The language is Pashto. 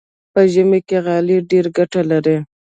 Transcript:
په ژمي کې غالۍ ډېره ګټه لري.